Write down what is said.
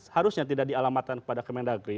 harusnya tidak dialamatan kepada kementdagri